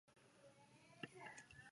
掉落者无奖金可得。